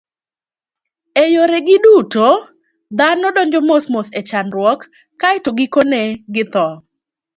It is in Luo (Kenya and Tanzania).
E yoregi duto, dhano donjo mosmos e chandruok, kae to gikone githo.